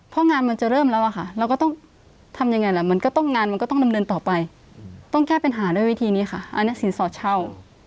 เพราะงานมันจะเริ่มแล้วอะค่ะเราก็ต้องทำยังไงล่ะมันก็ต้องงานมันก็ต้องดำเนินต่อไปต้องแก้ปัญหาด้วยวิธีนี้ค่ะอันนี้สินสอดเช่า